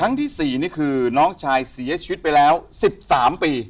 ที่๔นี่คือน้องชายเสียชีวิตไปแล้ว๑๓ปี